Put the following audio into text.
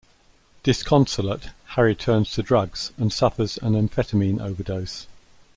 Disconsolate, Harry turns to drugs and suffers an amphetamine overdose.